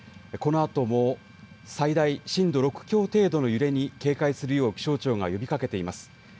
このあとも最大震度６強程度の揺れに警戒するよう気象庁が呼びかけています。